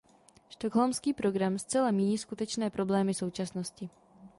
Stockholmský program zcela míjí skutečné problémy současnosti.